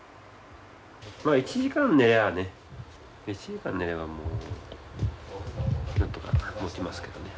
まあ１時間寝りゃあね１時間寝ればなんとかもちますけどね。